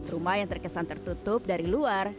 rumah yang terkesan tertutup dari luar